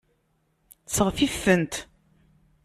Seɣtit-tent.